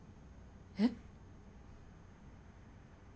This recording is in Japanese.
えっ？